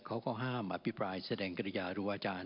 เราห้ามอภิปรายแสดงกรยารุวจาน